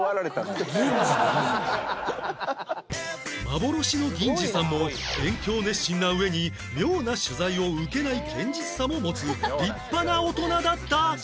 幻の銀侍さんも勉強熱心な上に妙な取材を受けない堅実さも持つ立派な大人だった